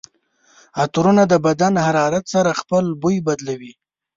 عطرونه د بدن حرارت سره خپل بوی بدلوي.